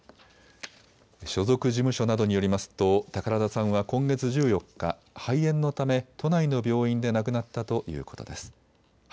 所属事務所などによりますと宝田さんは今月１４日、肺炎のため都内の病院で亡くなったということです。